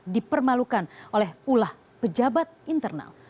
dipermalukan oleh ulah pejabat internal